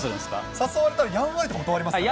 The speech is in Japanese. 誘われたらやんわりと断りますかね。